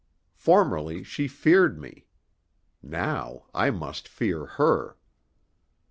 Formerly she feared me. Now I must fear her.